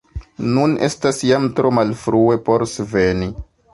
Nun estas jam tro malfrue, por sveni.